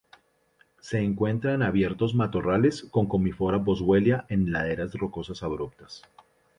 Se encuentra en abiertos matorrales con "Commiphora-Boswellia" en laderas rocosas abruptas.